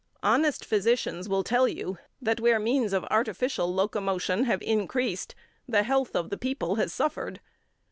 Honest physicians will tell you that, where means of artificial locomotion have increased, the health of the people has suffered.